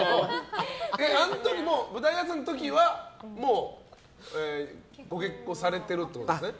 あの時の舞台挨拶の時はもうご結婚されてるってことですね。